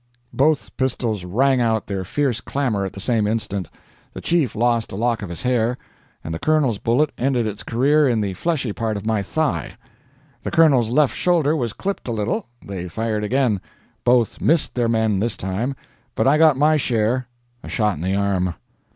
Both pistols rang out their fierce clamor at the same instant. The chief lost a lock of his hair, and the Colonel's bullet ended its career in the fleshy part of my thigh. The Colonel's left shoulder was clipped a little. They fired again. Both missed their men this time, but I got my share, a shot in the arm.